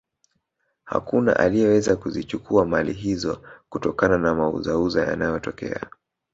hakuna aliyeweza kuzichukua mali hizo kutokana na mauzauza yanayotokea